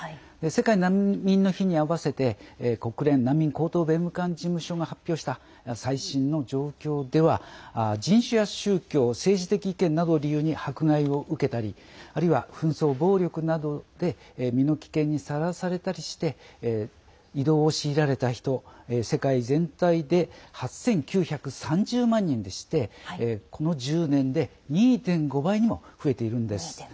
世界難民の日にあわせて国連難民高等弁務官事務所が発表した最新の状況では、人種や宗教政治的意見などを理由に迫害を受けたりあるいは紛争、暴力などで身の危険にさらされたりして移動を強いられた人、世界全体で８９３０万人でしてこの１０年で２．５倍にも増えているんです。